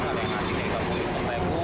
ada yang ngasihnya ikan buli untuk tepu